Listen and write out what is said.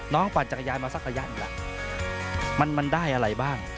น้องปั่นจากรยานมาสักระยะนึงมันได้อะไรบ้าง